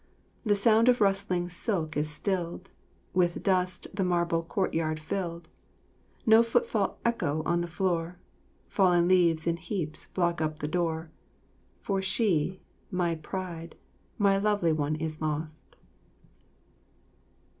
] "The sound of rustling silk is stilled, With dust the marble courtyard filled; No footfalls echo on the floor, Fallen leaves in heaps block up the door... For she, my pride, my lovely one is lost."